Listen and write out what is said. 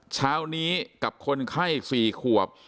เช้านี้กับคนไข้๔ขวบ